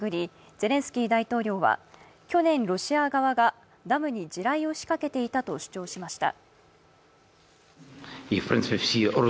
ゼレンスキー大統領は去年、ロシア側がダムに地雷を仕掛けていたと主張しました。